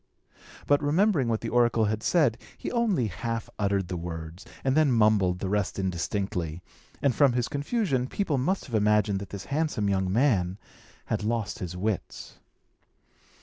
But, remembering what the oracle had said, he only half uttered the words, and then mumbled the rest indistinctly; and from his confusion, people must have imagined that this handsome young man had lost his wits.